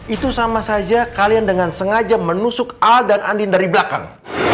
itu sama saja kalian dengan sengaja menusuk al dan andin dari belakang